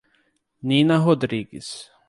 Nina Rodrigues